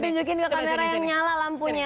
tunjukin ke kamera yang nyala lampunya